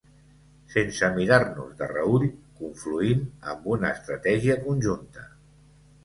Sense mirar-nos de reüll, confluint amb una estratègia conjunta.